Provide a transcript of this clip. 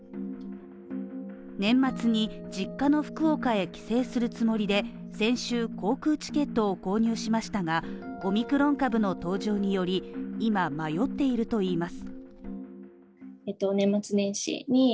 年末に実家の福岡へ帰省するつもりで、先週、航空チケットを購入しましたが、オミクロン株の登場により、今迷っているといいます。